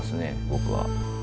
僕は。